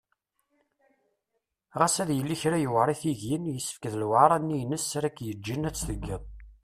Ɣas ad yili kra yewεer i tigin, yessefk d lewεara-nni-ines ara k-yeǧǧen ad t-tgeḍ.